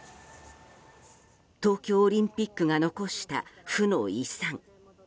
東京オリンピックが残した負の遺産。